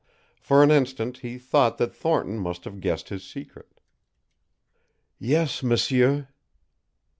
For an instant he thought that Thornton must have guessed his secret. "Yes, m'sieur."